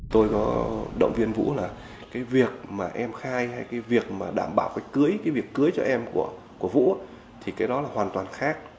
tôi có động viên vũ là cái việc mà em khai hay cái việc mà đảm bảo cái cưới cái việc cưới cho em của vũ thì cái đó là hoàn toàn khác